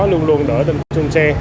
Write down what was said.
luôn luôn đỡ trên xe